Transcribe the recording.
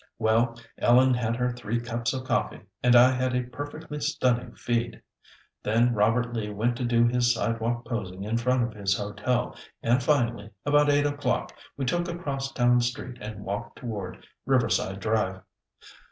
Well, Ellen had her three cups of coffee, and I had a perfectly stunning feed; then Robert Lee went to do his sidewalk posing in front of his hotel, and finally, about eight o'clock, we took a cross town street and walked toward Riverside Drive.